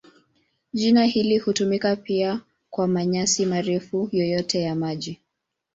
Jina hili hutumika pia kwa manyasi marefu yoyote ya maji.